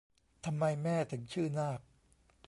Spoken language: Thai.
ทำไมแม่ถึงชื่อนาก